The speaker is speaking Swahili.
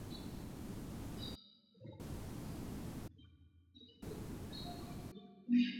Kifo kwa ugonjwa wa kiwele hutokea endapo vijidudu vitaingia kwenye mfumo wa damu